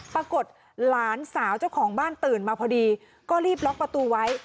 หลานสาวเจ้าของบ้านตื่นมาพอดีก็รีบล็อกประตูไว้